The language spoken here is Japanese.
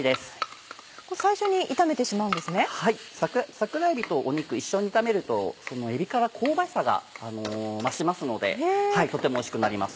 桜えびと肉一緒に炒めるとえびから香ばしさが増しますのでとてもおいしくなります。